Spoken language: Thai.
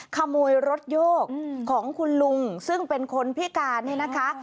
ขโมยรถโยกของคุณลุงซึ่งเป็นคนพิการเนี่ยนะคะ